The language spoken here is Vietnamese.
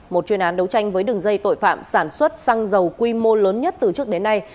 một chuyên án đấu tranh với đường dây tội phạm sản xuất xăng dầu quy mô lớn nhất từ trước đến nay